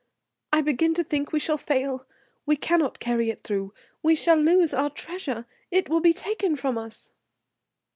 "I begin to think we shall fail, we cannot carry it through, we shall lose our treasure. It will be taken from us."